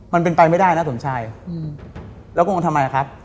มันเป็นไปไม่ได้นะสมชายแล้วงงทำไมอะครับ